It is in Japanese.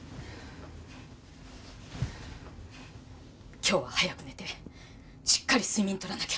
今日は早く寝てしっかり睡眠とらなきゃ。